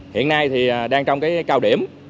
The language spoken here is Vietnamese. hiện nay thì đang trong cái cao điểm